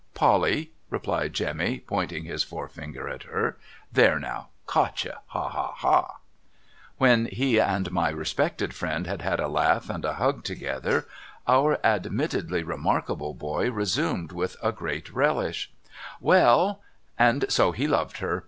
' Polly !' replied Jemmy, pointing his forefinger at her. ' There now ! Caught you ! Ha, ha, ha !' When he and my respected friend had had a laugh and a hug together, our admittedly remarkable boy resumed with a great relish : TWO WEDDINGS 351 ' ^^^e^ l And so he loved her.